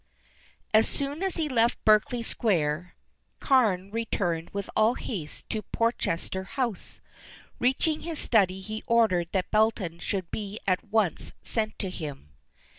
As soon as he left Berkeley Square Carne returned with all haste to Porchester House. Reaching his study he ordered that Belton should be at once sent to him.